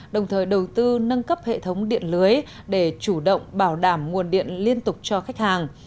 đồng thời đầu tư nâng cấp hệ thống điện lưới để chủ động bảo đảm nguồn điện liên tục cho khách hàng